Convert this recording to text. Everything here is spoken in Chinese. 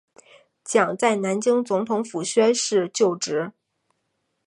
蒋在南京总统府宣誓就职。